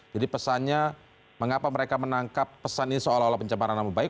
jadi pesannya mengapa mereka menangkap pesan ini seolah olah pencemaran nama baik